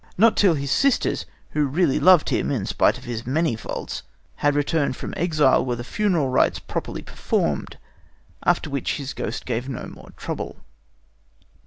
Not till his sisters, who really loved him, in spite of his many faults, had returned from exile were the funeral rites properly performed, after which his ghost gave no more trouble.